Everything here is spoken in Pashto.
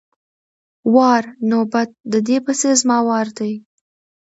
وار= نوبت، د دې پسې زما وار دی!